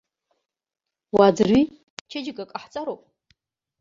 Уааӡырҩи, чеиџьыкак ҟаҳҵароуп.